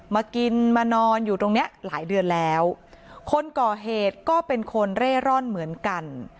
มากินมานอนอยู่ตรงเนี้ยหลายเดือนแล้วคนก่อเหตุก็เป็นคนเร่ร่อนเหมือนกัน